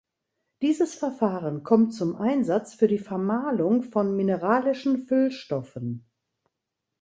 Dieses Verfahren kommt zum Einsatz für die Vermahlung von mineralischen Füllstoffen.